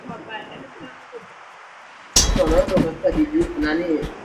Hazikawii kwisha